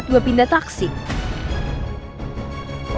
untung dia kelihatan bener deh